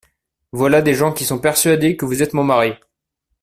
Voilà des gens qui sont persuadés que vous êtes mon mari !